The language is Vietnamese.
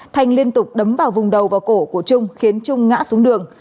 thanh liên tục đấm vào vùng đầu và cổ của trung khiến trung ngã xuống đường